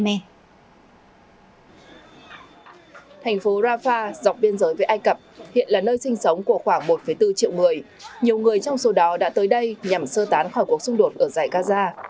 một người trong số đó đã tới đây nhằm sơ tán khỏi cuộc xung đột ở dài gaza